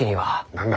何だ？